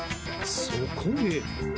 そこへ。